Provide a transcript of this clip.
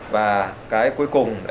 và cái cuối cùng đấy là